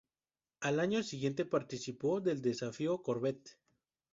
Al año siguiente participó del Desafío Corvette.